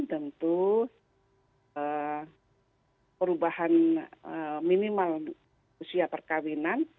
tentu perubahan minimal usia perkawinan